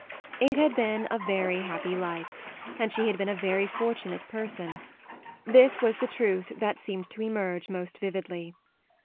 It had been a very happy life and she had been a very fortunate person this was the truth that seemed to emerge most vividly.